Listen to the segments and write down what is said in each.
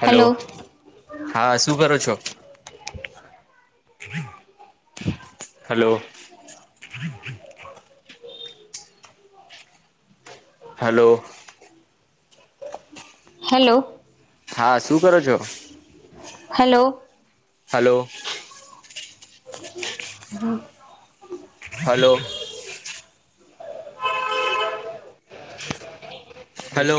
Hello હા શું કરો છો? [inaudible] હલો [inaudible] હલો હેલો હા શું કરો છો hello hello, hmm hello hello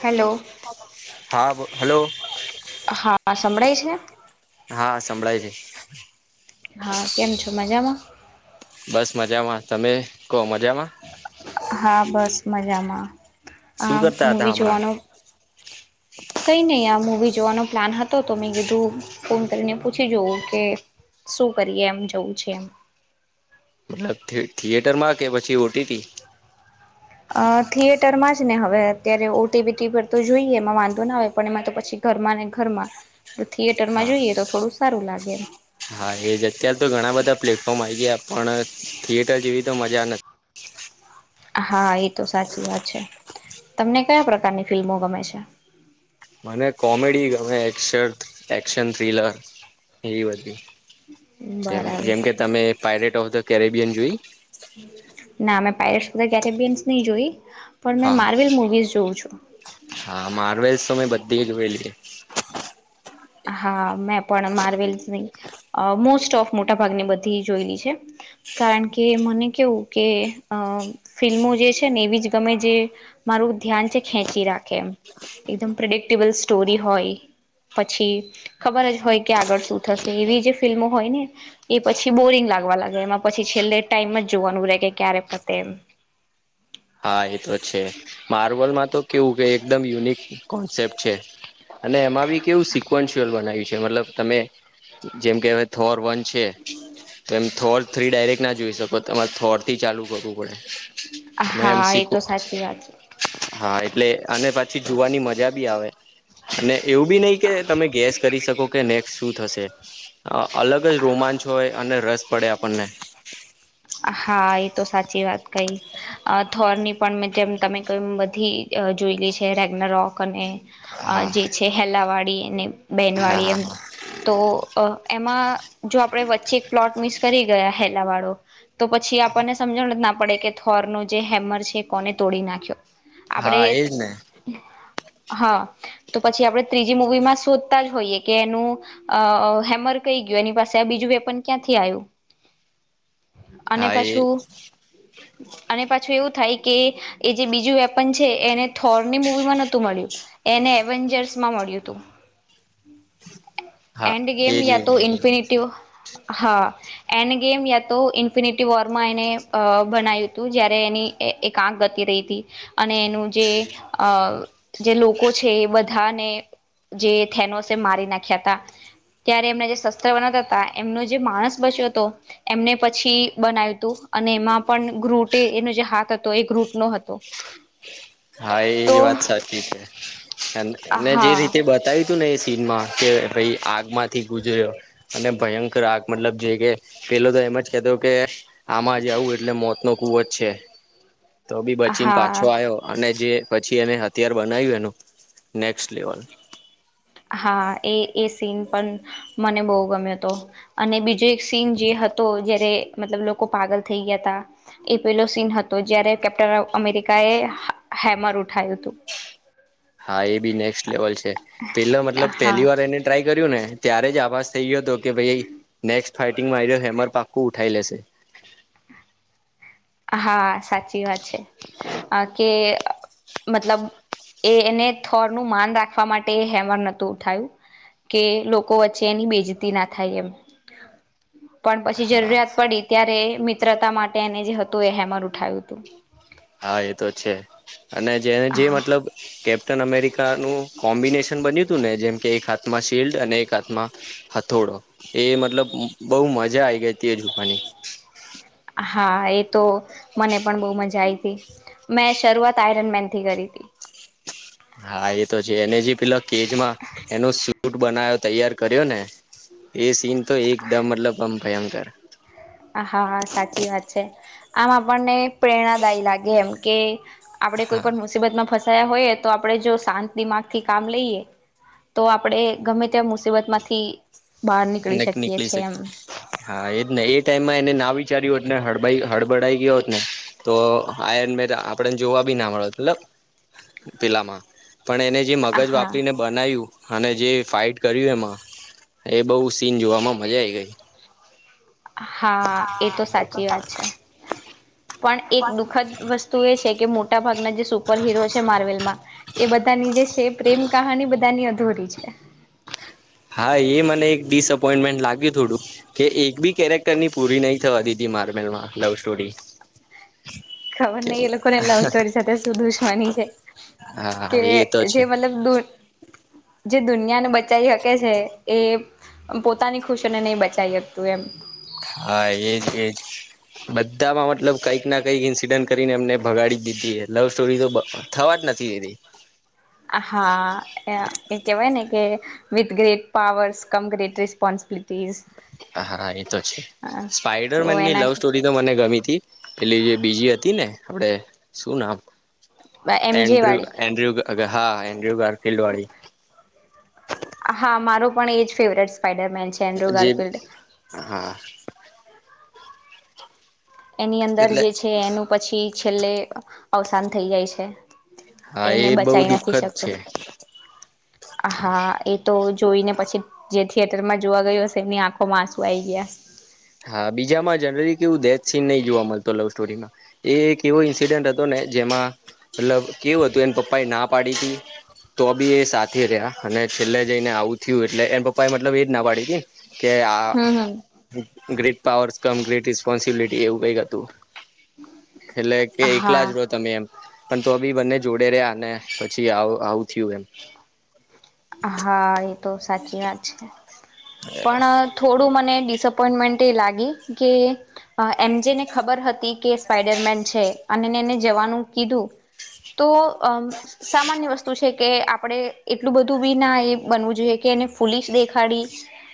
hello. હા હલો આ સંભળાય છે. હા સંભળાય છે. હા કેમ છો મજામાં બસ મજામાં તમે કો મજામાં હા બસ મજામાં શું આ કરતા હતા મવી હમણાં જોવાનો કઈ નહી આ મૂવી જોવાનો પ્લાન હતો તો મેં કીધું ફોન કરીને પૂછી જવ કે શું કરીએ એમ જવું છે એમ થિયેટર માં કે પછી ઓટીટી અ થિયેટર માં જ ને હવે અત્યારે ઓટીબીટી પર તો જોઈએ એમાં વાંધો ના આવે પણ એમાં તો પછી, ઘરમાં ને ઘરમાં થિયેટર માં હા જોઈએ તો થોડું સારું લાગેમ. હા એજ અત્ય્યારે તો ઘણા બધા પ્લેટફોર્મ આ ગયા પણ થિયેટર જેવી તો મજા નથી હા એ તો સાચી વાત છે તમને કયા પ્રકારની ફિલ્મો ગમે છે. મને કોમેડી ગમે એશ એક્શન થ્રીલર એવી બધી જેમ બરાબર જેમકે તમે પાયરેટ ઓફ ધ કેરેબિયન જોઈ. ના મે પાયલટ બધા કેરેબયસ નહી જોય પણ મેં હા માર્વેલ મુવીઝ જોઉું છું હા માર્વેલ્સ તો મે બધી જો વેલી હા મેં પણ માર્વેલસની મોસ્ટ ઓફ મોટા ભાગની બધી જોયેલી છે કારણ કે મને કેવું કે અ ફિલ્મો જે છે ને એવી જ ગમે જે મારું ધ્યાન છે ખેંચી રાખે એમ એકદમ પ્રિડિક્ટેબલ સ્ટોરી હોય, પછી ખબર જ હોય કે આગળ શું થશે એવી જે ફિલ્મો હોય ને એ પછી બોરિંગ લાગવા લ એમાં પછી છેલ્લે ટાઈમ જ જોવાનું રહેે કે ક્યારે પતે એમ હા એ તો છે માર્વલમાં તો કેવું કે એકદમ યુનિક કોન્સેપ્ટ છે અને એમાં બી કેવું સિકવન્શઅલ બનાવ્યું છે મતલબ તમે જેમ કે હવે થોર વન છે તો એમ થોટ થ્રી ડાયરેક્ટ ના જોઈ શકો તમારા થોર્ટ, થી ચાલુ કરવું પડે અને એમ હા એ તો સાચી વાત છે. હા એટલે અને પછી જોવાની મજા બી આવે અને, એવું બી નહીિ કે તમે ગેસ કરી શકો કે નેક્સ્ટ શું થશે. અલગ જ રોમાંચ હોય અને રસ પડે આપણને હા એ તો સાચી વાત કઈ થોરની પણ જેમ તમે કઈ બધી જોઈલી છે રેગના રોક અને અ હા જે છે હેલા વાળી અને બહેન હા વાળી હા એમ હા તો એમાં જો આપડે વચ્ચે એક પ્લોટ મિસ કરી ગયા હેલા વાળો. તો પછી આપણને સમજણ જ ના પડે કે થોરનું જે હેમર છે કોને તોડી નાખ્યો. આપડે હા એજ ને હા તો પછી આપણે ત્રીજી મૂવીમાં શોધતા જ હોઈએ કે એનું અ હેમર થઈ ગય એની પાસે આ બીજું વેપન ક્યાંથી આવ્યું અને હા એ પાછું અને પાછું એવું થાય કે એ જે બીજું વેપન છે એને થોરની મૂવીમાં નહતું મળ્યું, એને એવેન્જર્સ માં મળ્યું હતું. હા એન્ડ ગેમ એજ યા તો એજ ઇન્ફિનિટી હા એન્ડ ગેમ તો ઇન્ફિનિટી વોર માં એને બનાયું હતું જયારે એની એક આંખ ગતી રહી હતી એનું જે જે લોકો છે એ બધાને જે થેનોસે મારી નાખ્યા હતા ત્યારે એમના જે શસ્ત્ર બનાતા હતા એમનો જે માણસ બસ્યો હતો એમને પછી બનાવ્યું હતું અને એમાં પણ ગ્રુટે એનો જે હાથ હતો એ ગ્રુટ નો હતો. હ હા એ વાત સાચી છે અને જે હા રીતે બતાવ્યું તું ને એ સીન માં, કે ભાઈ આગ માંથી ગુજર્યો અને ભયંકર આગ મતલબ જે કે પેલો તો એમ જ કેતો તો કે આમાં જ આવું એટલે મોત નો ખુવ જ છે તો બી બચીને પાછો હા આયો અને જે પછી એને અત્યાર બનાવ્યું એનું નેક્સ્ટ લેવલ હા એ એ સીન પણ મને બહુ ગમ્યો હતો અને બીજો એક સીન જે હતો જ્યારે મતલબ લોકો પાગલ થઈ ગયા એ પેલો સીન હતો જ્યારે કેપ્ટન ઓ અમેરિક [unintelligible] હેમર ઉઠાયું હતું હા એ બી નેક્સ્ટ લેવલ છે પેલો મતલબ હા પેલી વાર એને ટ્રાય કર્યુ ને ત્યારે જ આવાજ થઈયો હતો કે ભાઈ નેક્સ્ટ, ફાઈટિંગ મારી્યો હેમર પાકું ઉઠાઈ લેશે. હા સાચી વાત છે અ કે મતલબ એ એને થોર નું માન રાખવા માટે હેમર નોતું ઉઠાયું કે લોકો વચ્ચે એની બેજતી ના થાય એમ પણ પછી હા જરૂરિયાત પડી ત્યારે મિત્રતા માટે એને જે હત તો એ હેમર ઉઠાયું હતું હા એ તો છે અને જેને જે હા મતલબ કેપ્ટન અમેરિકા ન કોમ્બિનેશન બન્યું હતું ને જેમ કે એક હાથમાં શિલ્ડ અને એક હાથમાં હથોડો એ મતલબ બહુ મજા આઈ ગઈ હતી એ ઝપની. હા એ તો મને પણ બહુ મજા આઈ હતી મેં શરૂઆત આયરન મેન થી કરી હતી હા એતો છે એને જે પેલા કેજમાં એનો સૂટ બનાવ્યો તૈયાર કર્યો ને એ સીન તો એકદમ મતલબ આમ ભયંકર હતો. હાા સાચી વાત છે આમ આપણને પ્રેરણાદાયી લાગે એમ કે. આપડે કોઈ હા પણ મુસીબત માં ફસાયા હોયએ તો આપડણે જો શાંત દિમાગ થી કામ લઈએ તો આપણેે ગમે ત્યા મુસીબત માંથી બહાર નીકળી નક શકીએ છે શકે એમ. હા એજ ને એ ટાઈમમાં એને ના વિચાર્યું હોત ને હળાઈ હળબડાઈ ગયો હોત ને તો આ. આપડેને જોવા બી ના મળે મતલબ પેલામાં. પણ એને જે મગજ હા વાપરીને બનાવ્યું અને જે ફાઈટ કર્યું એમાં એ બહુ સીન જોવામાં મજા આ આવી ગઈ. હા એ તો સાચી વાત છે. પણ એક દુઃખદ વસ્તુ એ છે કે મોટા ભાગના જે સુપર હિરો છે માર્વેલમાં એ બધા. ની જે છે પ્રેમ કહાની બધાની અધૂરી છે હા એ મને એક ડિસઅપોઈન્ટમેન્ટ લાગ્યું થોડું કે એક બી કેરેક્ટર ની પૂરી નહી થવા દીધી મારવેલમાં લવ સ્ટોરી, હ. ખબર નહ એ લોકોને લવ સ્ટોરી સાથે સુું દુશવાની છે. હા કે એ તો જે છે મતલબ દ. જે દુનિયાને બચાવી શકે છે એ પોતાની ખુશને નહી બચી શકતું એમ. હા એજ એજ બધામાં મતલબ કંઈક ના કંઈક ઇન્સિડન્ટ કરીને એમને ભગાડી દીધી લવ સ્ટોરી તો થવા જન ે [unintelligible] [inaudible] હા એ કેવાય ને કે with great powers come great responsibilities હા-હા એ તો છે સ્પાઈડર તો મેનની લવ એના સ્ટોરી તો મને ગમી તી પેલી જે બીજી હતી તી ને આપડે શું નામ એમજે એન્ડ્રો વાળી એન્ડુ હા એન્ડુ ગાર્ફિલ્લ વાળી હા મારો પણ એજ ફેવરેટ સ્પાઈડરમેન છે જે એન્દ્રોગારફિલ્ડ હા એની અંદર એટલે જે છે એનું પછી છેલ્લે અવસાન થઈ જાય છે. હા એને એ બહુ બચાઈ નથી દુઃખદ શકતો છે હા એ તો જોઈને પછી જે થિયેટરમાં જોવા ગયું હશે એમની આંખોમાં આસુ આઈ ગયા હા બીજામાં જનરલી કેવું દેથ સીન નહી જોવા મળત લવ સ્ટોરીમાં એ એક એવો ઈન્સિડન્ટ હતો ને જેમાં મતલબ કેવું હતું એને પપ્પા એના પાડી તી તો બી એ સાથે રહ્યા અને છેલ્લે જઈને આવું થયું એટલે એમ પપ્પા એ મતલબ એજ ના પાડી હતી. કે આ હમ હમ great powers come great responsibility એવું કઈક હતું. એટલે કે એકલા જ રહો હા તમે એમ પણ તો બી બંને જોડે રહ્યા પછી આવું થયું એમ હા એ તો સાચી વાત છે પણ થોડું મને ડિ ડીસઅપોઇન્ટમેન્ટ એ લાગી કે એમ જેને ખબર હતી કે સ્પાઈડરમેન છે. એને જવાનું કીધું તો સામાન્ય વસ્તુ છે કે આપડે એક એટલું બધું બી ના એ બનવું જોઈએ કે એને ફૂલીશ દેખાડી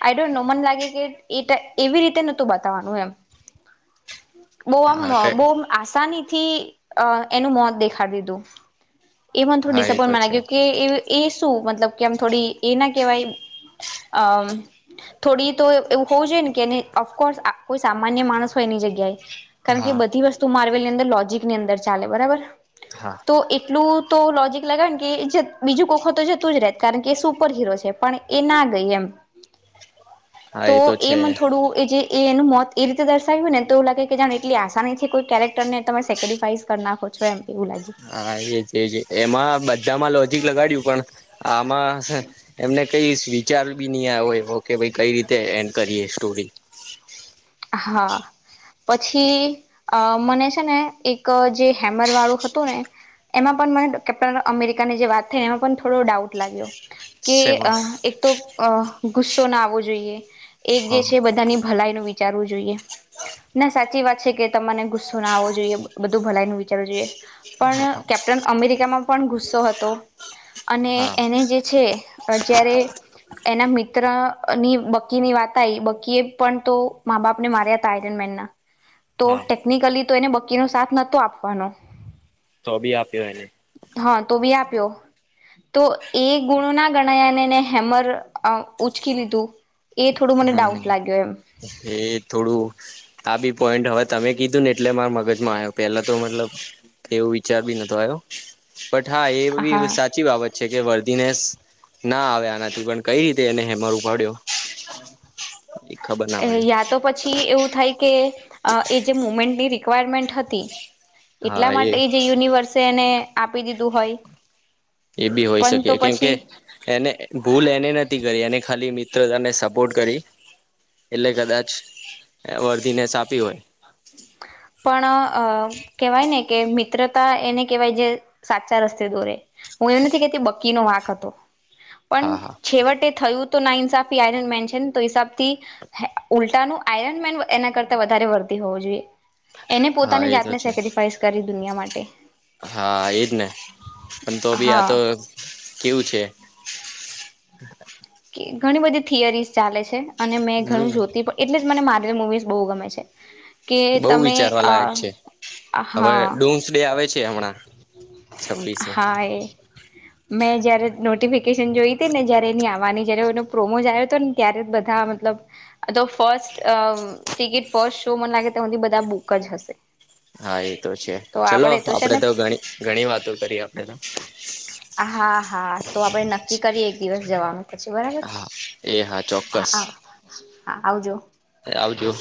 આઈ ડોન્ટ નો મન લાગે કે એ એવી રીતે નતું બતાવાનું એમ બહુ હા આમ-અ કે બહુ આસાનીથી અ-એનું મોત દેખાડ દીધું. એ મન થોડું હા એ તો ડિસપોઈન્ટમા છે લાગ્યું કે એ-એ શું મતલબ કે આમ થોડી એ ના કહેવાય અમ થોડી તો એવું હોવું જોઈએ ને કે એ ઓફકોર્સ કોઈ સામાન્ય માણસ હોય એની જગ્યાએ કારણ કે હા બધી વસ્તુ માર્વેલની અંદર લોજીકની અંદર ચાલે બરાબર તો હા એક એટલું તો લોજિક લાગે ને કે બીજું કોખો તો જતું જ રહે, કારણ કે એ સુપર હિરો છે, પણ એ ના ગઈ એમ તો એ મને થોડું એ જે એ એનું મોત એ રીતે દર્શાવ્યું હોય ને તો એવ લાગે કે જાણે એટલી આસાનીથી કોઈ કેરેક્ટર ને તમે સેક્રીફાઈસ કર નાખો છો એમ એવું લાગ્યું હા એ જ એ છે એમાં બધામાં લોજીક લગાડ્યું પણ આમાં હ એમને કઈ વિચાર બી ની આય હોય એવો કે ભઇ કઈ રીતે એન્ડ કરીએ સ્ટોરી હા પછી અ મને છે ને એક જે હેમર વાળું હતું ને એમાં પણ મને કેપ્ટન અમેરિકાની જે વાત થઈ એમાં પણ થોડો ડાઉટ લાગ્યો. કે સેમાં એક તો ગુસ્સો ના આવવો જોઈએ એક જે છે, હા બધાની ભલાઈ નુ વિ વિચારવું જોઈએ, ના સાચી વાત છે કે તમાને ગુસ્સો ના આવવો જોઈએ બધું ભલાઈનું વિચારવું જોઈએ પણ કેપ્ટન અમેરિકામાં પણ ગુસ્સો હતો. અને હા એને જે છે જયારે એના મિત્ર ની બકીની વાત આવી બકી એ પણ તો મા-બાપને માર્યા હતા આયરન મેનના તો ટેકનિકલી તો એને બકીનો સાથ નતો આપવાનો. તો બી આપ્યો એને હા તો બી આપ્યો તો એ ગુણો ના ગણયાનેને હેમર અ ઉચકી લીધું‌. એ થોડું મને હમ ડાઉટ લાગ્યો એમ એ થોડું આ બી પોઈન્ટ હવે તમે કીધું ને એટલે મારા મગજમાં આવ્યો પેલા તો મતલબ એવો વિચાર બી નતો આવ્યો બટ હા એ બી હા સાચી બાબત છે કે વર્દી નેસ ના આવે આનાથી પણ કઈ રીતે એને હેમર ઉપાડ્યો એ ખબર ના એ પડી યા તો પછી એવું થાય કે અ એ જે મુવમેન્ટની રિક્વાયરમેન્ટ હતી, હા એટલા એ માટે જે યુનિવર્સ તેને આપી દીધું હોય એ બી હોય પણ શકે તો કેમ કે પછી એને ભૂલ એને નથી કરી એને ખાલી મિત ત્ર અને સપોર્ટ કરી એટલે કદાચ વર્ધીનેસ આપી હોય. પણ અ કેહેવાય ને કે મિત્રતા એને કહેવાય જે સાચા રસ્તે દોરે, હું એવું નથી કેતી બકીનો વાંક હતો પણ હા હા છેવટે થયું ના ઇનસાફી આયરન મેન હિસાબથી ઉલટાનું આયરન મેન એના કરતા વધારે વરતી હોવો જોએ હા એ તો છે કરી દુનિયા માટે હા એજ ને આમ તો ભી હા આતો કેવું છે. કે ઘણી બધી થિયરી ચાલે છે, અને મેં ઘણું હમ જોતી પણ એટલે મને મારવેલ મુવીસ બહુ ગમે છે. કે બઉ તમે વિચારવા અ લાયક છે હવે હા ડુમ્સ ડે આવે છે હમણાં. છવ્વીસો હા એ મેં જયારે નોટિફિકેશન જોઈતી ને જયારે એની આ પ્રોમો જાય હતો ને ત્યારે બધા મતલબ ફર્સ્ટ ટિકિટ શો મને લાગે તોધી બધા બુક જ હશે. હા એ તો છે ચલો તો છે આપડે ને તોણી ઘણી વાતો કરી આપડે તો હા હા તો આપડે નક્કી કરીએ એક દિવસ જવાનું પછી બરાબર હા એ હા હા આવજો. આવજું